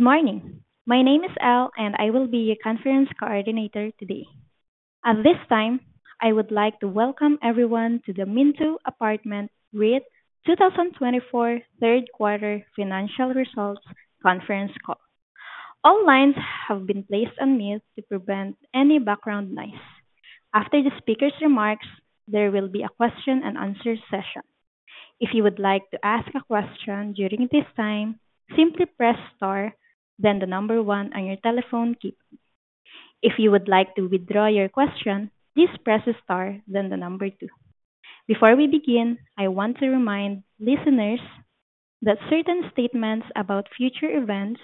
Good morning. My name is El, and I will be your conference coordinator today. At this time, I would like to welcome everyone to the Minto Apartment Real Estate 2024 Third Quarter Financial Results Conference Call. All lines have been placed on mute to prevent any background noise. After the speaker's remarks, there will be a question-and-answer session. If you would like to ask a question during this time, simply press star, then the number one on your telephone keypad. If you would like to withdraw your question, please press star, then the number two. Before we begin, I want to remind listeners that certain statements about future events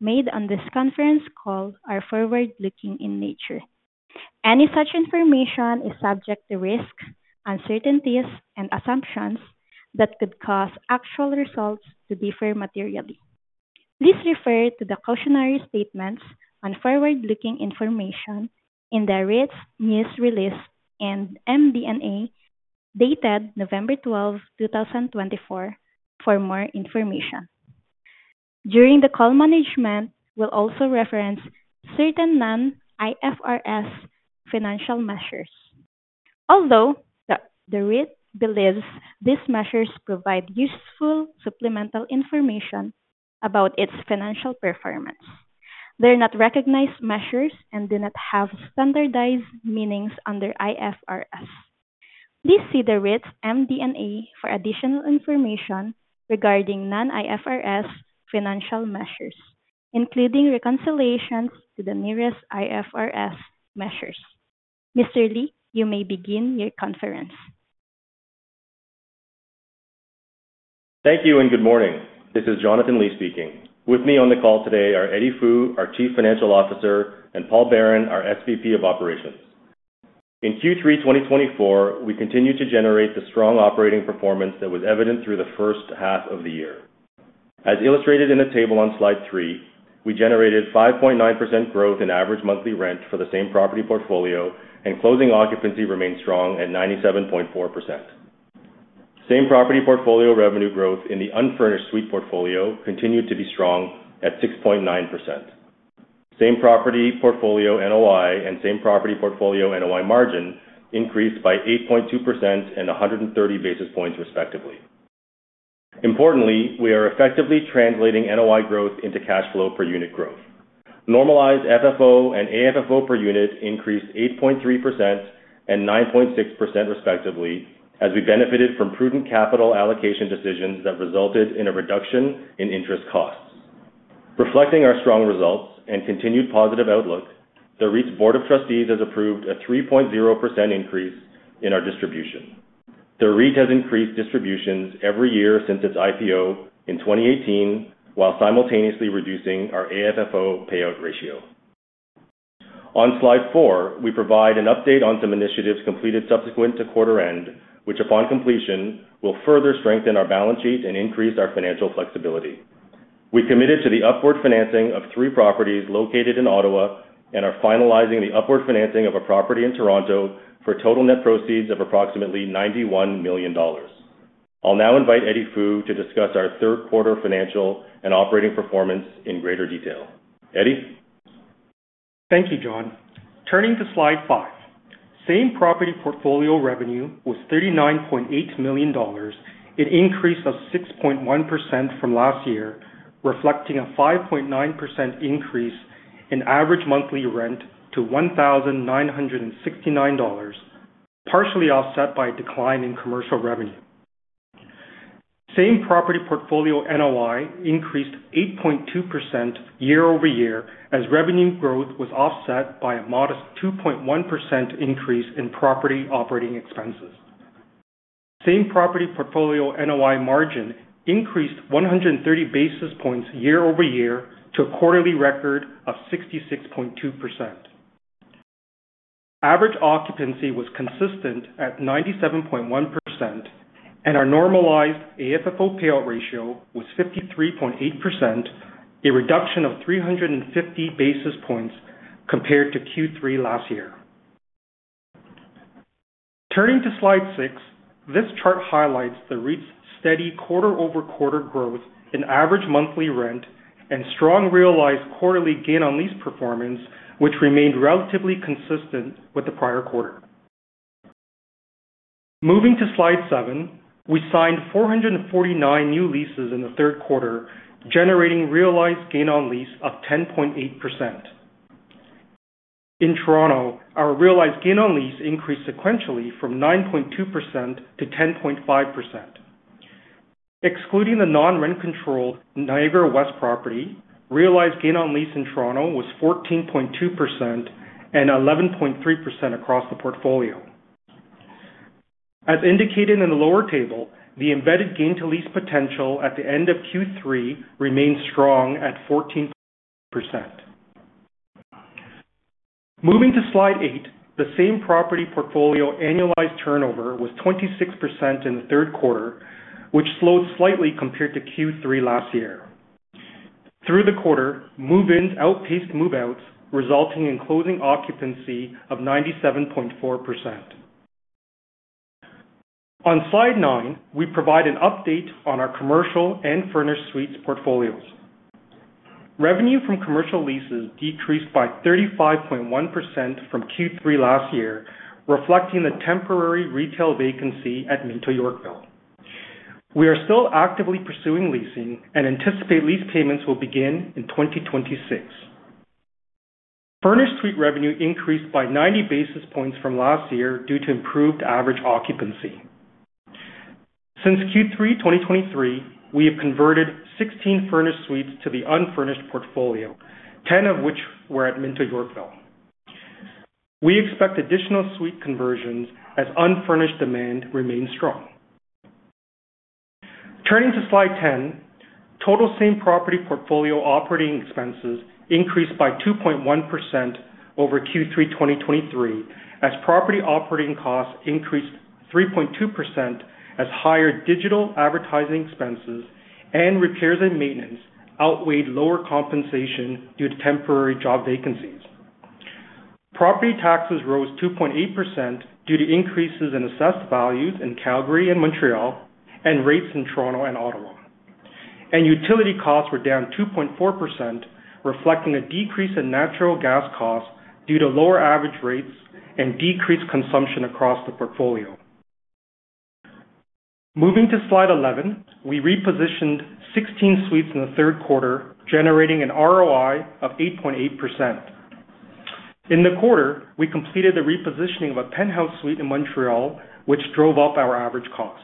made on this conference call are forward-looking in nature. Any such information is subject to risks, uncertainties, and assumptions that could cause actual results to differ materially. Please refer to the cautionary statements on forward-looking information in the REIT's News Release and MD&A dated November 12, 2024, for more information. During the call, management will also reference certain non-IFRS financial measures. Although the REIT believes these measures provide useful supplemental information about its financial performance, they are not recognized measures and do not have standardized meanings under IFRS. Please see the REIT's MD&A for additional information regarding non-IFRS financial measures, including reconciliations to the nearest IFRS measures. Mr. Li, you may begin your conference. Thank you and good morning. This is Jonathan Li speaking. With me on the call today are Eddie Fu, our Chief Financial Officer, and Paul Baron, our SVP of Operations. In Q3 2024, we continued to generate the strong operating performance that was evident through the first half of the year. As illustrated in the table on slide three, we generated 5.9% growth in average monthly rent for the same property portfolio, and closing occupancy remained strong at 97.4%. Same property portfolio revenue growth in the unfurnished suite portfolio continued to be strong at 6.9%. Same property portfolio NOI and same property portfolio NOI margin increased by 8.2% and 130 basis points, respectively. Importantly, we are effectively translating NOI growth into cash flow per unit growth. Normalized FFO and AFFO per unit increased 8.3% and 9.6%, respectively, as we benefited from prudent capital allocation decisions that resulted in a reduction in interest costs. Reflecting our strong results and continued positive outlook, the REIT's Board of Trustees has approved a 3.0% increase in our distribution. The REIT has increased distributions every year since its IPO in 2018, while simultaneously reducing our AFFO payout ratio. On slide four, we provide an update on some initiatives completed subsequent to quarter end, which, upon completion, will further strengthen our balance sheet and increase our financial flexibility. We committed to the upward financing of three properties located in Ottawa and are finalizing the upward financing of a property in Toronto for total net proceeds of approximately 91 million dollars. I'll now invite Eddie Fu to discuss our third quarter financial and operating performance in greater detail. Eddie. Thank you, Jon. Turning to slide five, same property portfolio revenue was 39.8 million dollars. It increased of 6.1% from last year, reflecting a 5.9% increase in average monthly rent to 1,969 dollars, partially offset by a decline in commercial revenue. Same property portfolio NOI increased 8.2% year-over-year as revenue growth was offset by a modest 2.1% increase in property operating expenses. Same property portfolio NOI margin increased 130 basis points year-over-year to a quarterly record of 66.2%. Average occupancy was consistent at 97.1%, and our normalized AFFO payout ratio was 53.8%, a reduction of 350 basis points compared to Q3 last year. Turning to slide six, this chart highlights the REIT's steady quarter-over-quarter growth in average monthly rent and strong realized quarterly gain on lease performance, which remained relatively consistent with the prior quarter. Moving to slide seven, we signed 449 new leases in the third quarter, generating realized gain on lease of 10.8%. In Toronto, our realized gain on lease increased sequentially from 9.2% to 10.5%. Excluding the non-rent controlled Niagara West property, realized gain on lease in Toronto was 14.2% and 11.3% across the portfolio. As indicated in the lower table, the embedded gain to lease potential at the end of Q3 remained strong at 14%. Moving to slide eight, the same property portfolio annualized turnover was 26% in the third quarter, which slowed slightly compared to Q3 last year. Through the quarter, move-ins outpaced move-outs, resulting in closing occupancy of 97.4%. On slide nine, we provide an update on our commercial and furnished suites portfolios. Revenue from commercial leases decreased by 35.1% from Q3 last year, reflecting the temporary retail vacancy at Minto Yorkville. We are still actively pursuing leasing and anticipate lease payments will begin in 2026. Furnished suite revenue increased by 90 basis points from last year due to improved average occupancy. Since Q3 2023, we have converted 16 furnished suites to the unfurnished portfolio, 10 of which were at Minto Yorkville. We expect additional suite conversions as unfurnished demand remains strong. Turning to slide 10, total same property portfolio operating expenses increased by 2.1% over Q3 2023 as property operating costs increased 3.2% as higher digital advertising expenses and repairs and maintenance outweighed lower compensation due to temporary job vacancies. Property taxes rose 2.8% due to increases in assessed values in Calgary and Montreal and rates in Toronto and Ottawa, and utility costs were down 2.4%, reflecting a decrease in natural gas costs due to lower average rates and decreased consumption across the portfolio. Moving to slide 11, we repositioned 16 suites in the third quarter, generating an ROI of 8.8%. In the quarter, we completed the repositioning of a penthouse suite in Montreal, which drove up our average cost.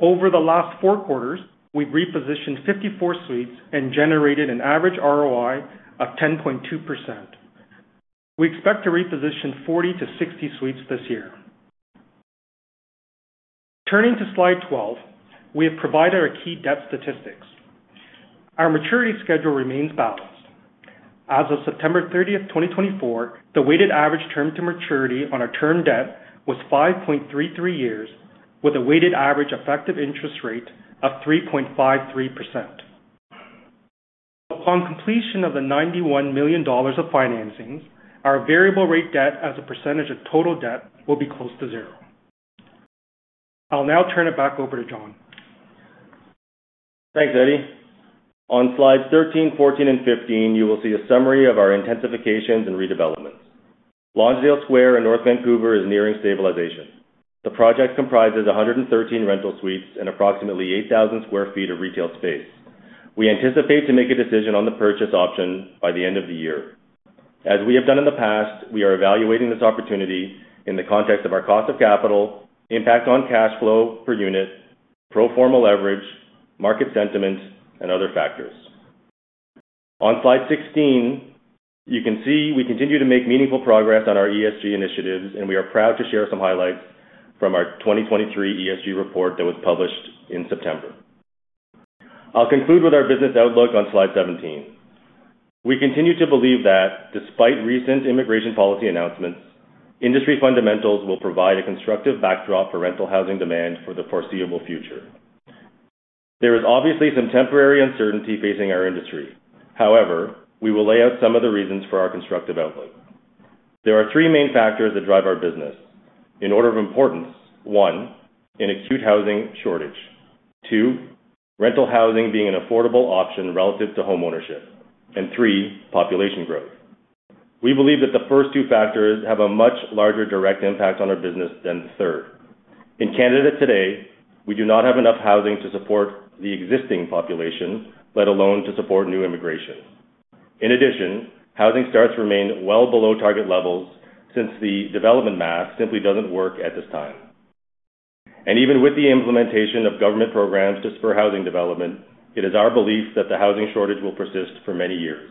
Over the last four quarters, we've repositioned 54 suites and generated an average ROI of 10.2%. We expect to reposition 40suites to 60 suites this year. Turning to slide 12, we have provided our key debt statistics. Our maturity schedule remains balanced. As of September 30, 2024, the weighted average term to maturity on our term debt was 5.33 years, with a weighted average effective interest rate of 3.53%. Upon completion of the 91 million dollars of financings, our variable rate debt as a percentage of total debt will be close to zero. I'll now turn it back over to Jon. Thanks, Eddie. On slides 13, 14, and 15, you will see a summary of our intensifications and redevelopments. Lonsdale Square in North Vancouver is nearing stabilization. The project comprises 113 rental suites and approximately 8,000 sq ft of retail space. We anticipate to make a decision on the purchase option by the end of the year. As we have done in the past, we are evaluating this opportunity in the context of our cost of capital, impact on cash flow per unit, pro forma leverage, market sentiment, and other factors. On slide 16, you can see we continue to make meaningful progress on our ESG initiatives, and we are proud to share some highlights from our 2023 ESG report that was published in September. I'll conclude with our business outlook on slide 17. We continue to believe that, despite recent immigration policy announcements, industry fundamentals will provide a constructive backdrop for rental housing demand for the foreseeable future. There is obviously some temporary uncertainty facing our industry. However, we will lay out some of the reasons for our constructive outlook. There are three main factors that drive our business. In order of importance, one, an acute housing shortage, two, rental housing being an affordable option relative to homeownership, and three, population growth. We believe that the first two factors have a much larger direct impact on our business than the third. In Canada today, we do not have enough housing to support the existing population, let alone to support new immigration. In addition, housing starts remain well below target levels since the development math simply doesn't work at this time. And even with the implementation of government programs to spur housing development, it is our belief that the housing shortage will persist for many years.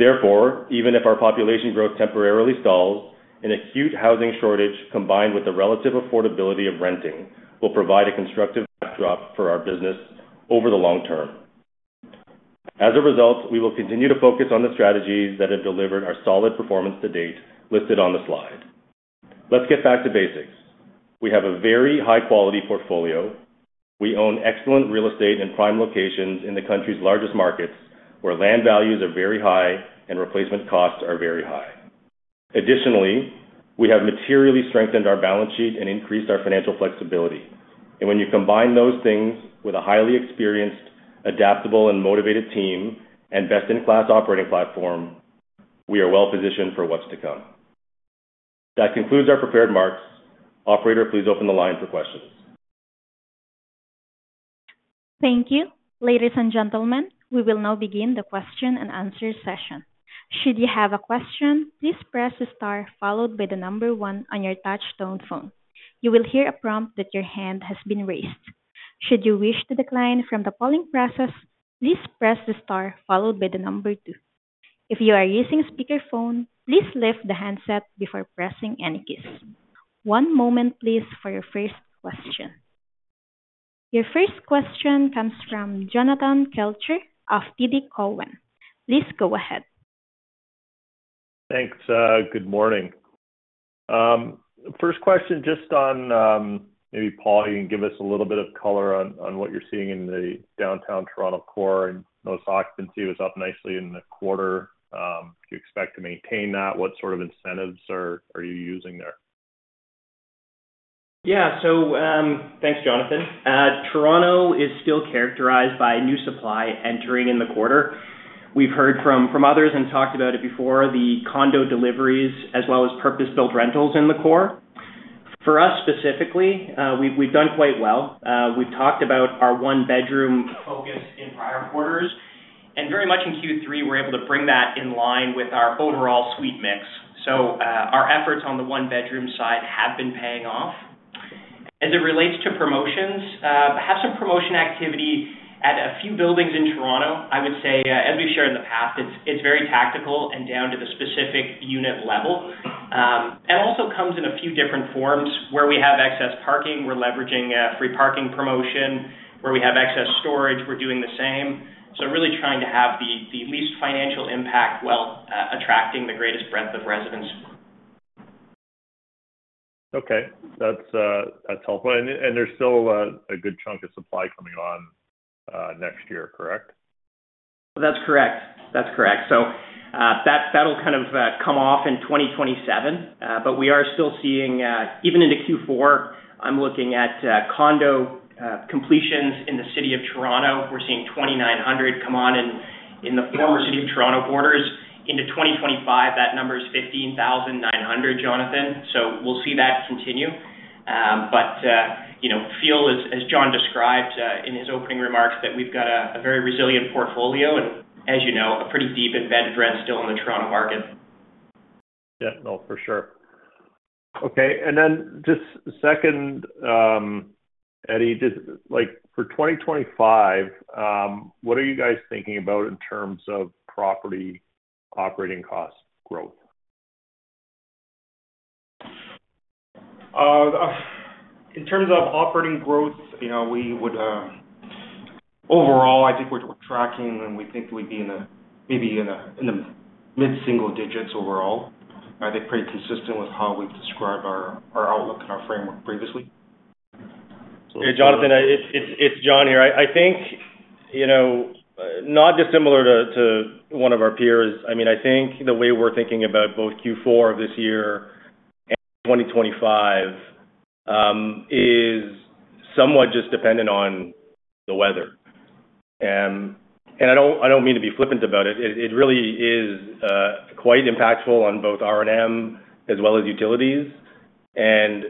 Therefore, even if our population growth temporarily stalls, an acute housing shortage combined with the relative affordability of renting will provide a constructive backdrop for our business over the long term. As a result, we will continue to focus on the strategies that have delivered our solid performance to date listed on the slide. Let's get back to basics. We have a very high-quality portfolio. We own excellent real estate in prime locations in the country's largest markets where land values are very high and replacement costs are very high. Additionally, we have materially strengthened our balance sheet and increased our financial flexibility. And when you combine those things with a highly experienced, adaptable and motivated team, and best-in-class operating platform, we are well positioned for what's to come. That concludes our prepared remarks. Operator, please open the line for questions. Thank you. Ladies and gentlemen, we will now begin the question and answer session. Should you have a question, please press the star followed by the number one on your touch-tone phone. You will hear a prompt that your hand has been raised. Should you wish to decline from the polling process, please press the star followed by the number two. If you are using speakerphone, please lift the handset before pressing any keys. One moment, please, for your first question. Your first question comes from Jonathan Kelcher of TD Cowen. Please go ahead. Thanks. Good morning. First question, just on maybe Paul, you can give us a little bit of color on what you're seeing in the downtown Toronto core and noticed occupancy was up nicely in the quarter. Do you expect to maintain that? What sort of incentives are you using there? Yeah, so thanks, Jonathan. Toronto is still characterized by new supply entering in the quarter. We've heard from others and talked about it before, the condo deliveries as well as purpose-built rentals in the core. For us specifically, we've done quite well. We've talked about our one-bedroom focus in prior quarters, and very much in Q3, we're able to bring that in line with our overall suite mix, so our efforts on the one-bedroom side have been paying off. As it relates to promotions, have some promotion activity at a few buildings in Toronto. I would say, as we've shared in the past, it's very tactical and down to the specific unit level, and also comes in a few different forms where we have excess parking. We're leveraging free parking promotion. Where we have excess storage, we're doing the same. Really trying to have the least financial impact while attracting the greatest breadth of residents. Okay. That's helpful, and there's still a good chunk of supply coming on next year, correct? That's correct. That's correct. So that'll kind of come off in 2027. But we are still seeing, even into Q4, I'm looking at condo completions in the city of Toronto. We're seeing 2,900 come on in the former city of Toronto quarters. Into 2025, that number is 15,900, Jonathan. So we'll see that continue. But feel, as Jon described in his opening remarks, that we've got a very resilient portfolio and, as you know, a pretty deep embedded rent still in the Toronto market. Yeah. No, for sure. Okay. And then just second, Eddie, for 2025, what are you guys thinking about in terms of property operating cost growth? In terms of operating growth, we would, overall, I think we're tracking and we think we'd be in maybe the mid-single digits overall. I think pretty consistent with how we've described our outlook and our framework previously. Hey, Jonathan, it's Jon here. I think not dissimilar to one of our peers. I mean, I think the way we're thinking about both Q4 of this year and 2025 is somewhat just dependent on the weather. And I don't mean to be flippant about it. It really is quite impactful on both R&M as well as utilities. And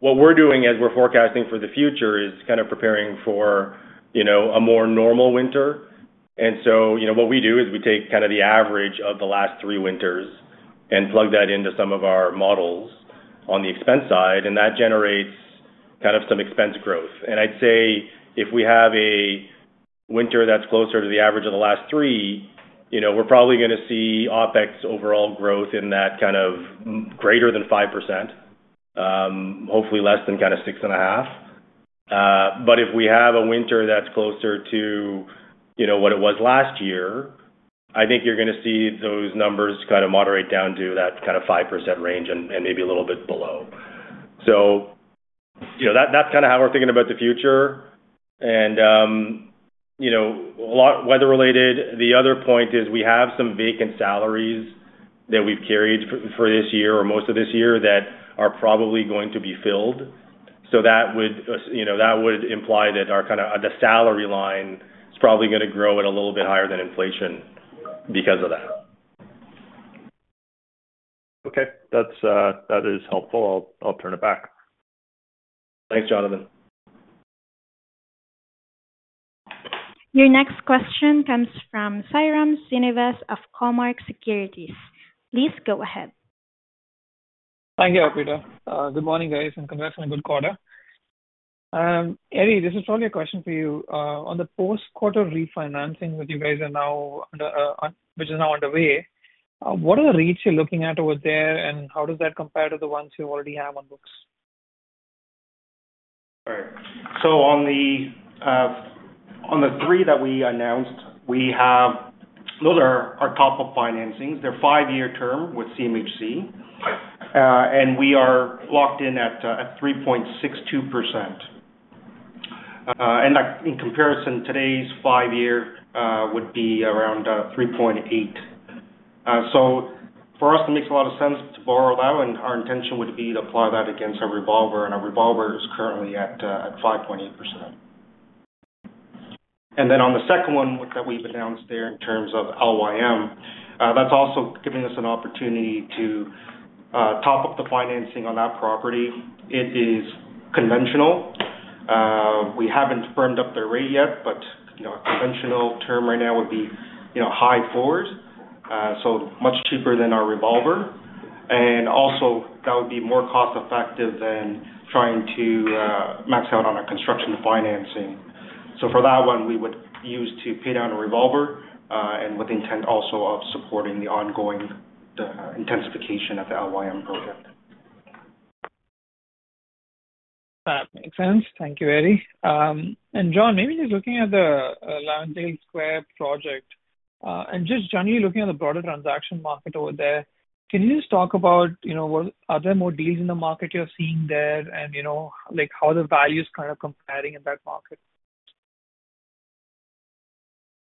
what we're doing as we're forecasting for the future is kind of preparing for a more normal winter. And so what we do is we take kind of the average of the last three winters and plug that into some of our models on the expense side. And that generates kind of some expense growth. I'd say if we have a winter that's closer to the average of the last three, we're probably going to see OpEx overall growth in that kind of greater than 5%, hopefully less than kind of 6.5%. But if we have a winter that's closer to what it was last year, I think you're going to see those numbers kind of moderate down to that kind of 5% range and maybe a little bit below. That's kind of how we're thinking about the future. A lot weather-related, the other point is we have some vacant salaries that we've carried for this year or most of this year that are probably going to be filled. That would imply that our kind of the salary line is probably going to grow at a little bit higher than inflation because of that. Okay. That is helpful. I'll turn it back. Thanks, Jonathan. Your next question comes from Sairam Srinivas of Cormark Securities. Please go ahead. Thank you, Arpita. Good morning, guys, and congrats on a good quarter. Eddie, this is probably a question for you. On the post-quarter refinancing that you guys are now, which is now underway, what are the rates you're looking at over there and how does that compare to the ones you already have on books? All right, so on the three that we announced, we have those are our top-up financings. They're five-year term with CMHC, and we are locked in at 3.62%. And in comparison, today's five-year would be around 3.8%, so for us, it makes a lot of sense to borrow that, and our intention would be to apply that against a revolver, and our revolver is currently at 5.8%. And then on the second one that we've announced there in terms of LYM, that's also giving us an opportunity to top up the financing on that property. It is conventional. We haven't firmed up the rate yet, but a conventional term right now would be high 4s, so much cheaper than our revolver, and also, that would be more cost-effective than trying to max out on our construction financing. So for that one, we would use to pay down a revolver and with intent also of supporting the ongoing intensification of the LYM project. That makes sense. Thank you, Eddie. And Jon, maybe just looking at the Lonsdale Square project. And just generally looking at the broader transaction market over there, can you just talk about are there more deals in the market you're seeing there and how the value is kind of comparing in that market?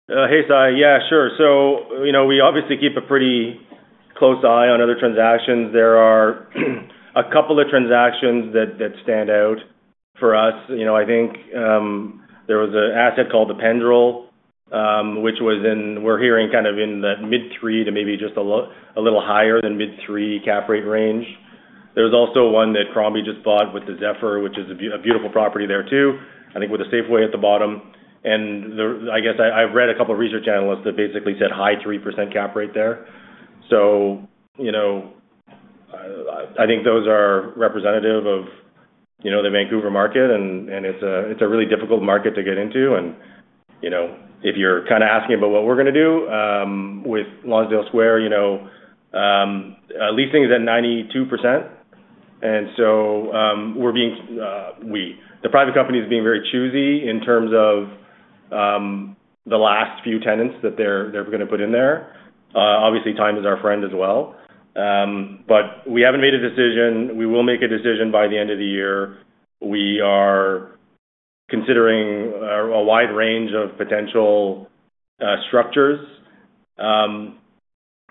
Hey, Sy. Yeah, sure. We obviously keep a pretty close eye on other transactions. There are a couple of transactions that stand out for us. I think there was an asset called The Pendrell, which was in, we're hearing, kind of in that mid-three to maybe just a little higher than mid-three cap rate range. There's also one that Crombie just bought with The Zephyr, which is a beautiful property there too, I think with a Safeway at the bottom. I guess I've read a couple of research analysts that basically said high 3% cap rate there. Those are representative of the Vancouver market. It's a really difficult market to get into. If you're kind of asking about what we're going to do with Lonsdale Square, leasing is at 92%. The private company is being very choosy in terms of the last few tenants that they're going to put in there. Obviously, time is our friend as well, but we haven't made a decision. We will make a decision by the end of the year. We are considering a wide range of potential structures.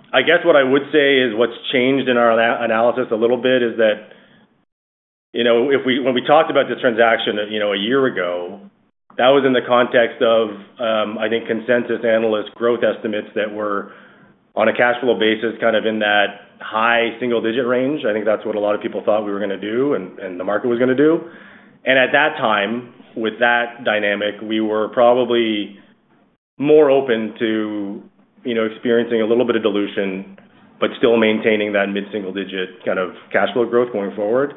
I guess what I would say is what's changed in our analysis a little bit is that when we talked about this transaction a year ago, that was in the context of, I think, consensus analyst growth estimates that were on a cash flow basis kind of in that high single-digit range. I think that's what a lot of people thought we were going to do and the market was going to do. At that time, with that dynamic, we were probably more open to experiencing a little bit of dilution, but still maintaining that mid-single-digit kind of cash flow growth going forward.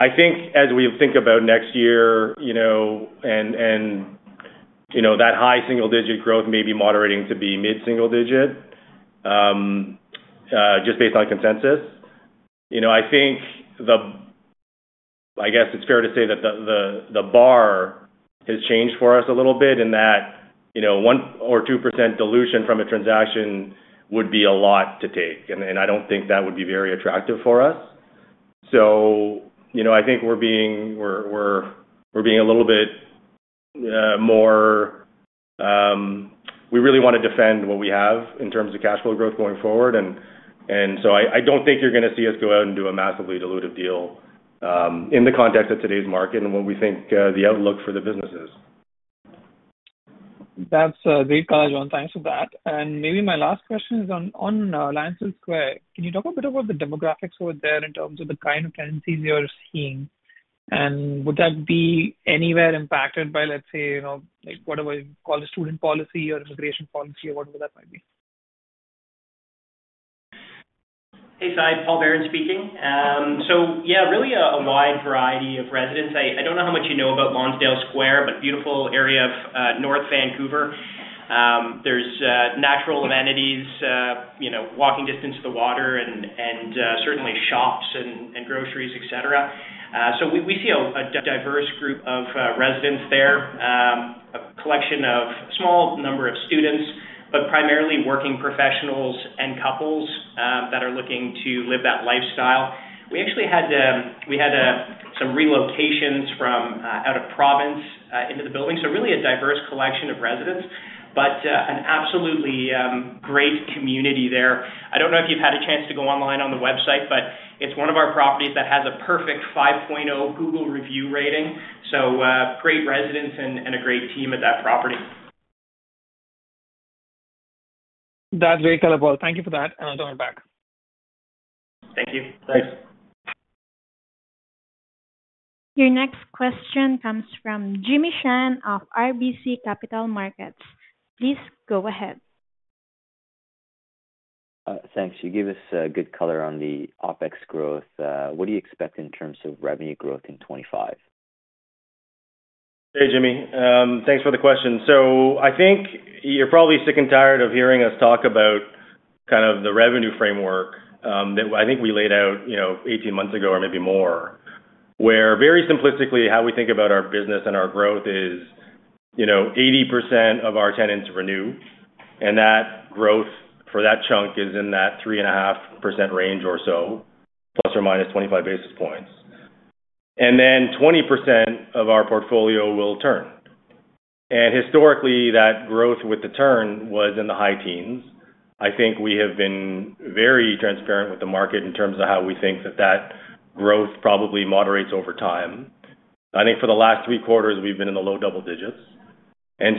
I think, as we think about next year, and that high single-digit growth may be moderating to be mid-single-digit just based on consensus. I think, I guess it's fair to say that the bar has changed for us a little bit in that 1% or 2% dilution from a transaction would be a lot to take. I don't think that would be very attractive for us. I think we're being a little bit more. We really want to defend what we have in terms of cash flow growth going forward. I don't think you're going to see us go out and do a massively dilutive deal in the context of today's market and what we think the outlook for the business is. That's great, Jon. Thanks for that. And maybe my last question is on Lonsdale Square. Can you talk a bit about the demographics over there in terms of the kind of tenancies you're seeing? And would that be anywhere impacted by, let's say, whatever you call the student policy or immigration policy or whatever that might be? Hey, Sy. Paul Baron speaking. So yeah, really a wide variety of residents. I don't know how much you know about Lonsdale Square, but beautiful area of North Vancouver. There's natural amenities, walking distance to the water, and certainly shops and groceries, etc. So we see a diverse group of residents there, a collection of a small number of students, but primarily working professionals and couples that are looking to live that lifestyle. We actually had some relocations from out of province into the building. So really a diverse collection of residents, but an absolutely great community there. I don't know if you've had a chance to go online on the website, but it's one of our properties that has a perfect 5.0 Google review rating. So great residents and a great team at that property. That's very credible. Thank you for that, and I'll turn it back. Thank you. Thanks. Your next question comes from Jimmy Shan of RBC Capital Markets. Please go ahead. Thanks. You gave us good color on the OpEx growth. What do you expect in terms of revenue growth in 2025? Hey, Jimmy. Thanks for the question. So I think you're probably sick and tired of hearing us talk about kind of the revenue framework that I think we laid out 18 months ago or maybe more, where very simplistically, how we think about our business and our growth is 80% of our tenants renew. And that growth for that chunk is in that 3.5% range or so, ±25 basis points. And then 20% of our portfolio will turn. And historically, that growth with the turn was in the high teens. I think we have been very transparent with the market in terms of how we think that that growth probably moderates over time. I think for the last three quarters, we've been in the low double digits.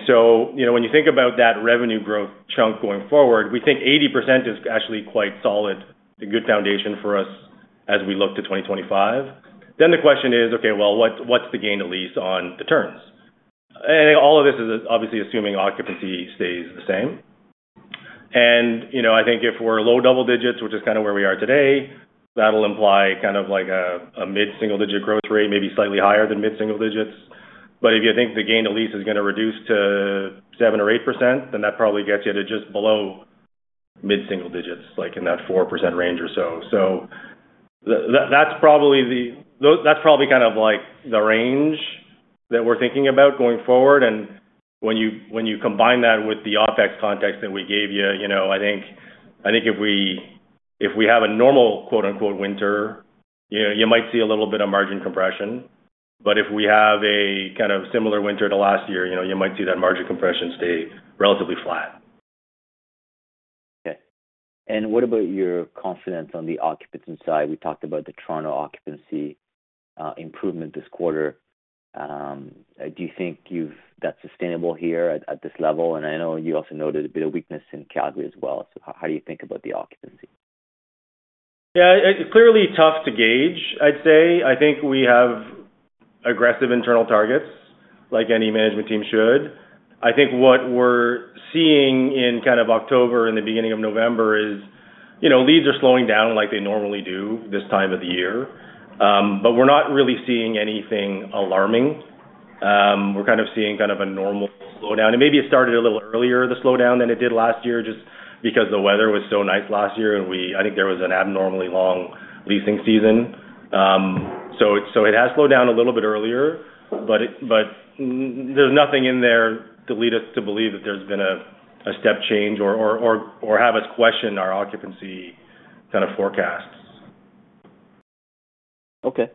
So when you think about that revenue growth chunk going forward, we think 80% is actually quite solid and good foundation for us as we look to 2025. The question is, okay, well, what's the gain to lease on the turns? All of this is obviously assuming occupancy stays the same. I think if we're low double digits, which is kind of where we are today, that'll imply kind of like a mid-single digit growth rate, maybe slightly higher than mid-single digits. If you think the gain to lease is going to reduce to 7% or 8%, then that probably gets you to just below mid-single digits, like in that 4% range or so. That's probably kind of like the range that we're thinking about going forward. When you combine that with the OpEx context that we gave you, I think if we have a normal "winter," you might see a little bit of margin compression. If we have a kind of similar winter to last year, you might see that margin compression stay relatively flat. Okay. And what about your confidence on the occupancy side? We talked about the Toronto occupancy improvement this quarter. Do you think that's sustainable here at this level? And I know you also noted a bit of weakness in Calgary as well. So how do you think about the occupancy? Yeah. It's clearly tough to gauge, I'd say. I think we have aggressive internal targets like any management team should. I think what we're seeing in kind of October and the beginning of November is leads are slowing down like they normally do this time of the year. But we're not really seeing anything alarming. We're kind of seeing kind of a normal slowdown. And maybe it started a little earlier, the slowdown, than it did last year just because the weather was so nice last year. And I think there was an abnormally long leasing season. So it has slowed down a little bit earlier, but there's nothing in there to lead us to believe that there's been a step change or have us question our occupancy kind of forecasts. Okay.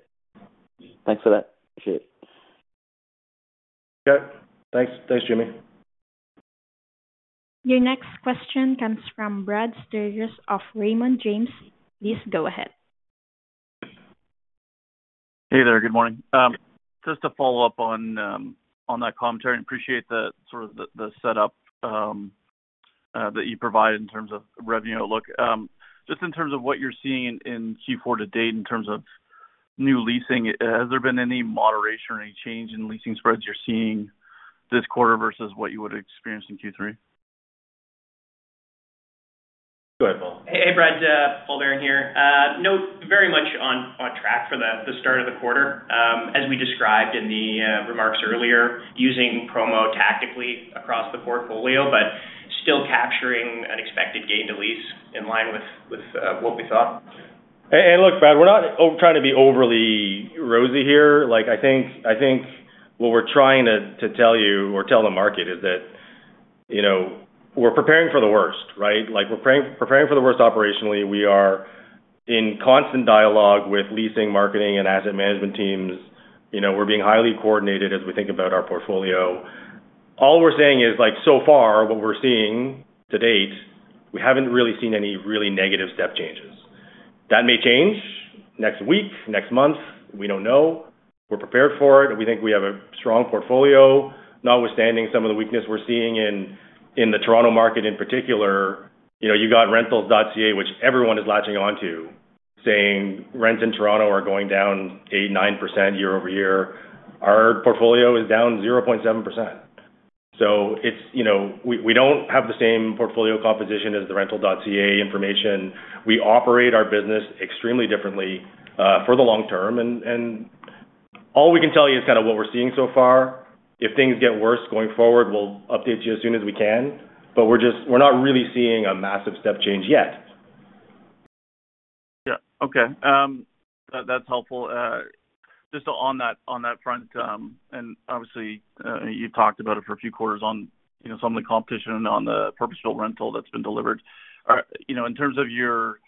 Thanks for that. Appreciate it. Okay. Thanks, Jimmy. Your next question comes from Brad Sturges of Raymond James. Please go ahead. Hey there. Good morning. Just to follow up on that commentary, I appreciate sort of the setup that you provide in terms of revenue outlook. Just in terms of what you're seeing in Q4 to date in terms of new leasing, has there been any moderation or any change in leasing spreads you're seeing this quarter versus what you would experience in Q3? Go ahead, Paul. Hey, Brad. Paul Baron here. No, very much on track for the start of the quarter, as we described in the remarks earlier, using promo tactically across the portfolio, but still capturing an expected gain to lease in line with what we thought. Hey, look, Brad, we're not trying to be overly rosy here. I think what we're trying to tell you or tell the market is that we're preparing for the worst, right? We're preparing for the worst operationally. We are in constant dialogue with leasing, marketing, and asset management teams. We're being highly coordinated as we think about our portfolio. All we're saying is, so far, what we're seeing to date, we haven't really seen any really negative step changes. That may change next week, next month. We don't know. We're prepared for it. We think we have a strong portfolio. Notwithstanding some of the weakness we're seeing in the Toronto market in particular, you got Rentals.ca, which everyone is latching onto, saying, "Rents in Toronto are going down 8%-9% year-over-year." Our portfolio is down 0.7%. So we don't have the same portfolio composition as the Rentals.ca information. We operate our business extremely differently for the long term. And all we can tell you is kind of what we're seeing so far. If things get worse going forward, we'll update you as soon as we can. But we're not really seeing a massive step change yet. Yeah. Okay. That's helpful. Just on that front, and obviously, you've talked about it for a few quarters on some of the competition on the purpose-built rental that's been delivered. In terms of your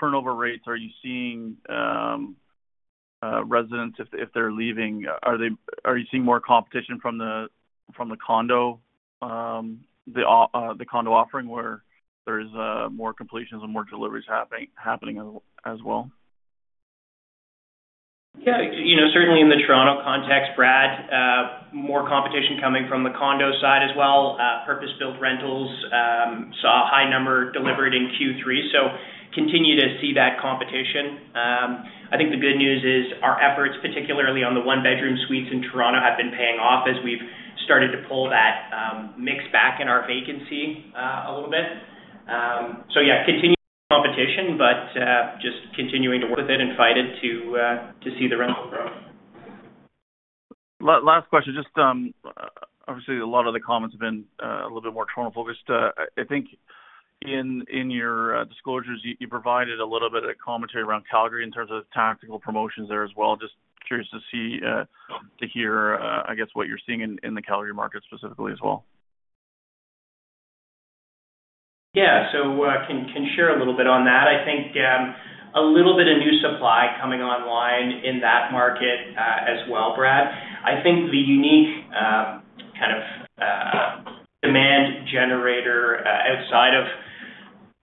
turnover rates, are you seeing residents, if they're leaving, are you seeing more competition from the condo offering where there's more completions and more deliveries happening as well? Yeah. Certainly in the Toronto context, Brad, more competition coming from the condo side as well. Purpose-built rentals saw a high number delivered in Q3. So continue to see that competition. I think the good news is our efforts, particularly on the one-bedroom suites in Toronto, have been paying off as we've started to pull that mix back in our vacancy a little bit. So yeah, continued competition, but just continuing to work with it and fight it to see the rental grow. Last question. Just obviously, a lot of the comments have been a little bit more Toronto-focused. I think in your disclosures, you provided a little bit of commentary around Calgary in terms of tactical promotions there as well. Just curious to hear, I guess, what you're seeing in the Calgary market specifically as well? Yeah, so can share a little bit on that. I think a little bit of new supply coming online in that market as well, Brad. I think the unique kind of demand generator outside of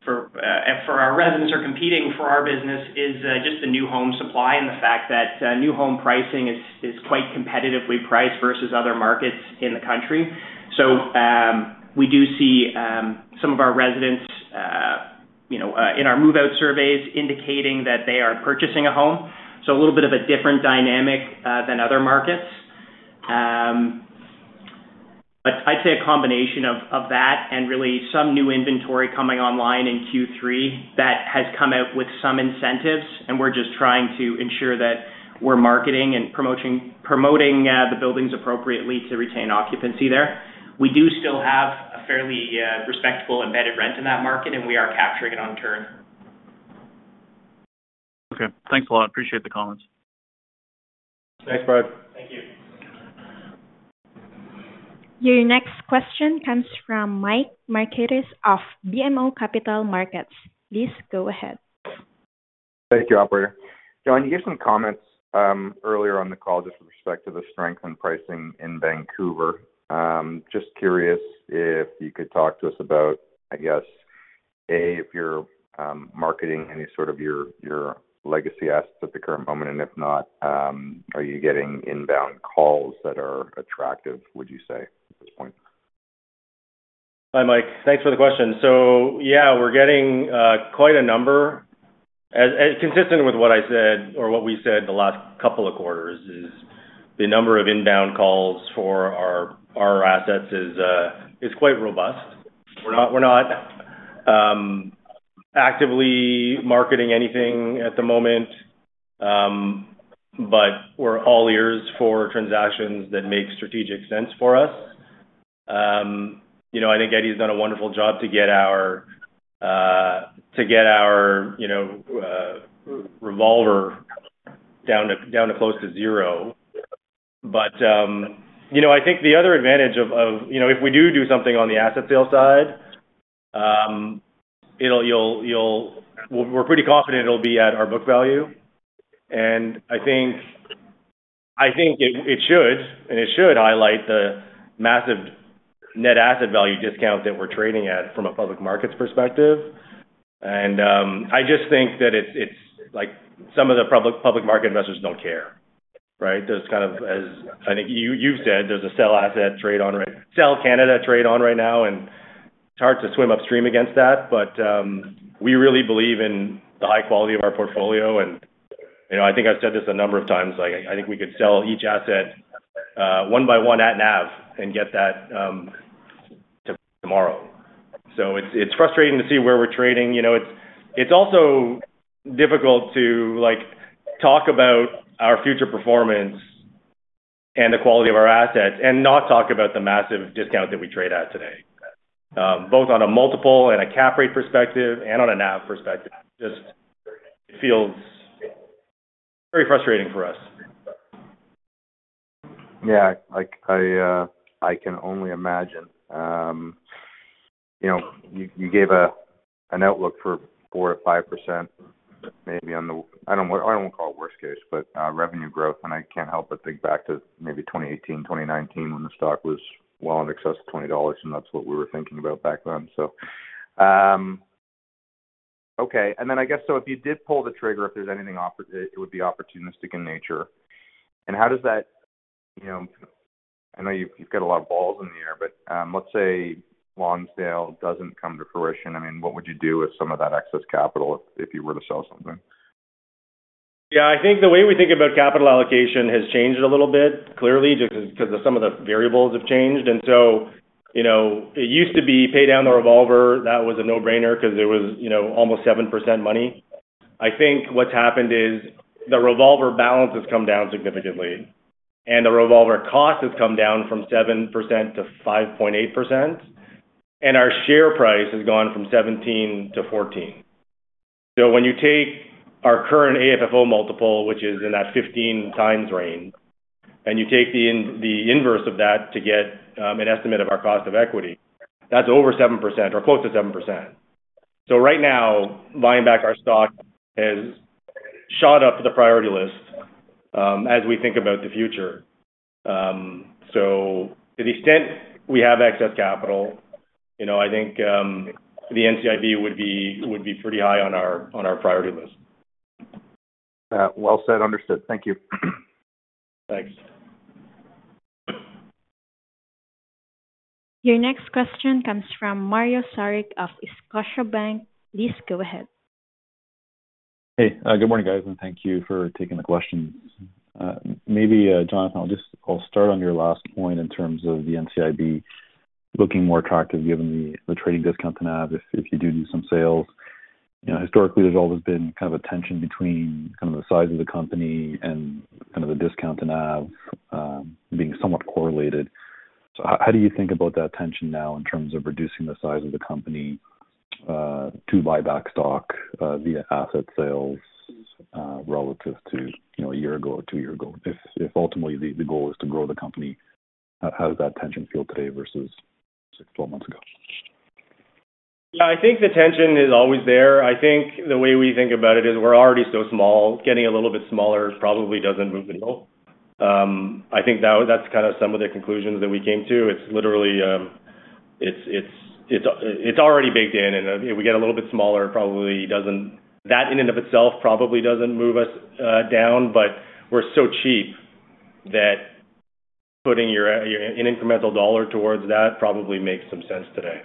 for our residents are competing for our business is just the new home supply and the fact that new home pricing is quite competitively priced versus other markets in the country, so we do see some of our residents in our move-out surveys indicating that they are purchasing a home, so a little bit of a different dynamic than other markets, but I'd say a combination of that and really some new inventory coming online in Q3 that has come out with some incentives, and we're just trying to ensure that we're marketing and promoting the buildings appropriately to retain occupancy there. We do still have a fairly respectable embedded rent in that market, and we are capturing it on turn. Okay. Thanks a lot. Appreciate the comments. Thanks, Brad. Thank you. Your next question comes from Mike Markidis of BMO Capital Markets. Please go ahead. Thank you, Operator. Jon, you gave some comments earlier on the call just with respect to the strength in pricing in Vancouver. Just curious if you could talk to us about, I guess, A, if you're marketing any sort of your legacy assets at the current moment. And if not, are you getting inbound calls that are attractive, would you say, at this point? Hi, Mike. Thanks for the question. So yeah, we're getting quite a number. Consistent with what I said or what we said the last couple of quarters is the number of inbound calls for our assets is quite robust. We're not actively marketing anything at the moment, but we're all ears for transactions that make strategic sense for us. I think Eddie's done a wonderful job to get our revolver down to close to zero. But I think the other advantage of if we do do something on the asset sale side, we're pretty confident it'll be at our book value. And I think it should, and it should highlight the massive net asset value discount that we're trading at from a public markets perspective. And I just think that some of the public market investors don't care, right? There's kind of, as I think you've said, there's a sell asset trade on, right? Sell Canada trade on right now. And it's hard to swim upstream against that, but we really believe in the high quality of our portfolio. And I think I've said this a number of times. I think we could sell each asset one by one at NAV and get that tomorrow. So it's frustrating to see where we're trading. It's also difficult to talk about our future performance and the quality of our assets and not talk about the massive discount that we trade at today, both on a multiple and a cap rate perspective and on a NAV perspective. Just, it feels very frustrating for us. Yeah. I can only imagine. You gave an outlook for 4%-5% maybe on the. I don't want to call it worst case, but revenue growth. And I can't help but think back to maybe 2018, 2019 when the stock was well in excess of 20 dollars, and that's what we were thinking about back then. So, okay. And then I guess, so if you did pull the trigger, if there's anything it would be opportunistic in nature. And how does that. I know you've got a lot of balls in the air, but let's say Lonsdale doesn't come to fruition. I mean, what would you do with some of that excess capital if you were to sell something? Yeah. I think the way we think about capital allocation has changed a little bit, clearly, just because some of the variables have changed. And so it used to be pay down the revolver. That was a no-brainer because it was almost 7% money. I think what's happened is the revolver balance has come down significantly, and the revolver cost has come down from 7% to 5.8%. And our share price has gone from $17 to $14. So when you take our current AFFO multiple, which is in that 15 times range, and you take the inverse of that to get an estimate of our cost of equity, that's over 7% or close to 7%. So right now, buying back our stock has shot up the priority list as we think about the future. So to the extent we have excess capital, I think the NCIB would be pretty high on our priority list. Well said. Understood. Thank you. Thanks. Your next question comes from Mario Saric of Scotiabank. Please go ahead. Hey. Good morning, guys. And thank you for taking the questions. Maybe, Jonathan, I'll start on your last point in terms of the NCIB looking more attractive given the trading discount to NAV if you do do some sales. Historically, there's always been kind of a tension between kind of the size of the company and kind of the discount to NAV being somewhat correlated. So how do you think about that tension now in terms of reducing the size of the company to buy back stock via asset sales relative to a year ago or two years ago? If ultimately the goal is to grow the company, how does that tension feel today versus six, 12 months ago? Yeah. I think the tension is always there. I think the way we think about it is we're already so small. Getting a little bit smaller probably doesn't move the needle. I think that's kind of some of the conclusions that we came to. It's already baked in, and if we get a little bit smaller, probably that in and of itself probably doesn't move us down, but we're so cheap that putting an incremental dollar towards that probably makes some sense today,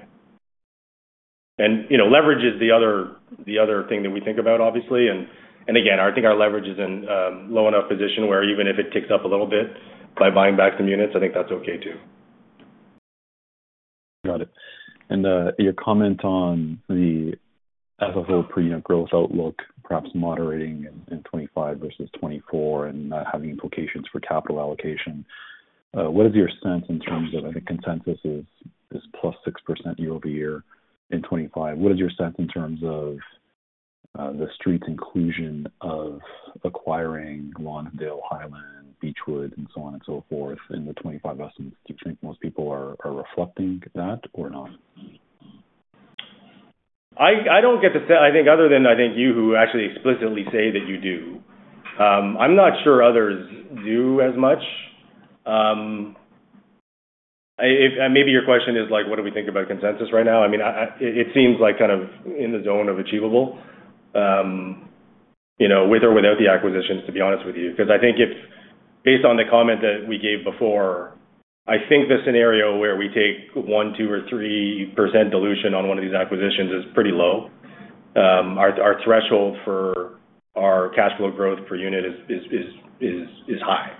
and leverage is the other thing that we think about, obviously, and again, I think our leverage is in a low enough position where even if it ticks up a little bit by buying back some units, I think that's okay too. Got it. And your comment on the portfolio as a whole per-year growth outlook, perhaps moderating in 2025 versus 2024 and not having implications for capital allocation, what is your sense in terms of, I think, consensus is plus 6% year-over-year in 2025? What is your sense in terms of the street's inclusion of acquiring Lonsdale, Highland, Beechwood, and so on and so forth in the 2025 estimates? Do you think most people are reflecting that or not? I don't get to say. I think other than you who actually explicitly say that you do, I'm not sure others do as much. Maybe your question is like, what do we think about consensus right now? I mean, it seems like kind of in the zone of achievable with or without the acquisitions, to be honest with you. Because I think if based on the comment that we gave before, I think the scenario where we take 1%, 2%, or 3% dilution on one of these acquisitions is pretty low. Our threshold for our cash flow growth per unit is high,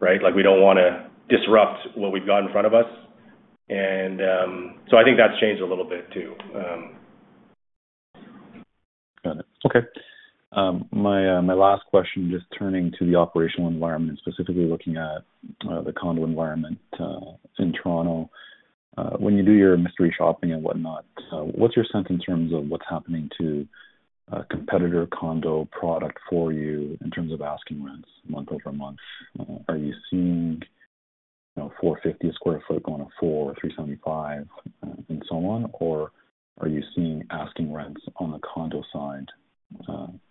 right? We don't want to disrupt what we've got in front of us. And so I think that's changed a little bit too. Got it. Okay. My last question, just turning to the operational environment and specifically looking at the condo environment in Toronto. When you do your mystery shopping and whatnot, what's your sense in terms of what's happening to competitor condo product for you in terms of asking rents month over month? Are you seeing $450 a sq ft going to $400 or $375 and so on? Or are you seeing asking rents on the condo side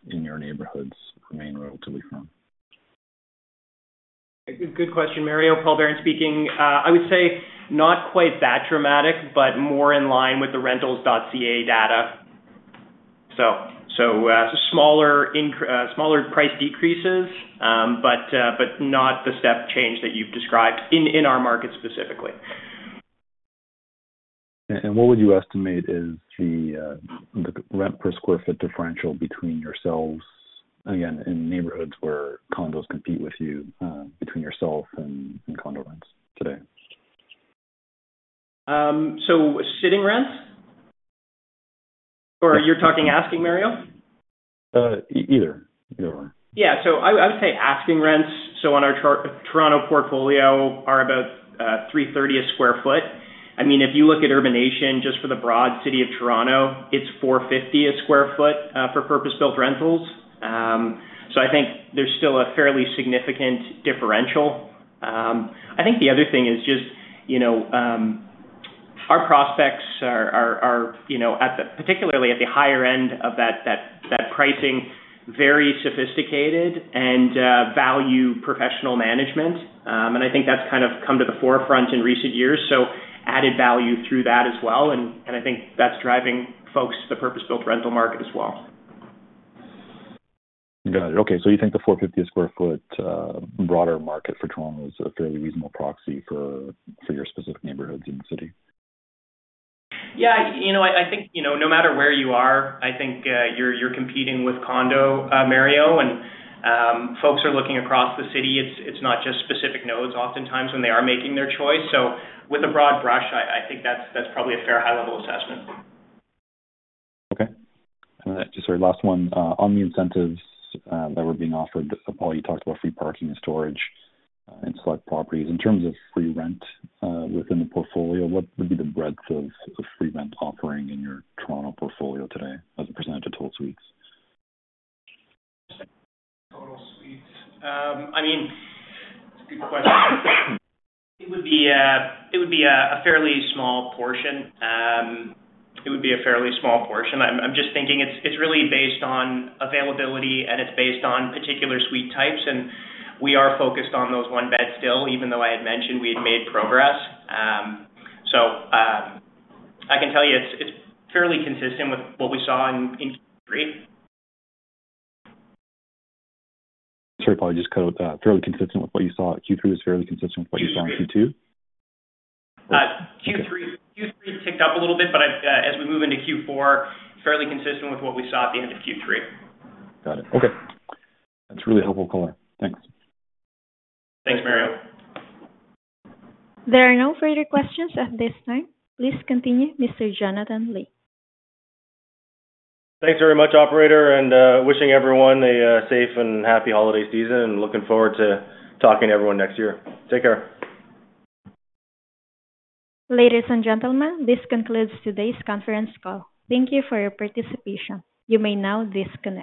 in your neighborhoods remain relatively firm? Good question. Mario Saric speaking. I would say not quite that dramatic, but more in line with the Rentals.ca data. So smaller price decreases, but not the step change that you've described in our market specifically. What would you estimate is the rent per square foot differential between yourselves, again, in neighborhoods where condos compete with you between yourself and condo rents today? So, sitting rents? Or you're talking asking rents, Mario? Either. Either one. Yeah. So I would say asking rents. So on our Toronto portfolio, are about 330 sq ft. I mean, if you look at Urbanation, just for the broad city of Toronto, it's 450 sq ft for purpose-built rentals. So I think there's still a fairly significant differential. I think the other thing is just our prospects are particularly at the higher end of that pricing, very sophisticated and value professional management. And I think that's kind of come to the forefront in recent years. So added value through that as well. And I think that's driving folks to the purpose-built rental market as well. Got it. Okay. So you think the $450 a sq ft broader market for Toronto is a fairly reasonable proxy for your specific neighborhoods in the city? Yeah. I think no matter where you are, I think you're competing with condo, Mario, and folks are looking across the city. It's not just specific nodes oftentimes when they are making their choice, so with a broad brush, I think that's probably a fair high-level assessment. Okay, and just our last one. On the incentives that were being offered, Paul, you talked about free parking and storage and select properties. In terms of free rent within the portfolio, what would be the breadth of free rent offering in your Toronto portfolio today as a percentage of total suites? Total suites. I mean, it's a good question. It would be a fairly small portion. I'm just thinking it's really based on availability, and it's based on particular suite types. And we are focused on those one-bed still, even though I had mentioned we had made progress. So I can tell you it's fairly consistent with what we saw in Q3. Sorry, Paul. Just fairly consistent with what you saw. Q3 was fairly consistent with what you saw in Q2? Q3 ticked up a little bit, but as we move into Q4, fairly consistent with what we saw at the end of Q3. Got it. Okay. That's really helpful, caller. Thanks. Thanks, Mario. There are no further questions at this time. Please continue, Mr. Jonathan Li. Thanks very much, Operator, and wishing everyone a safe and happy holiday season and looking forward to talking to everyone next year. Take care. Ladies and gentlemen, this concludes today's conference call. Thank you for your participation. You may now disconnect.